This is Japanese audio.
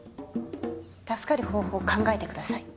助かる方法を考えてください。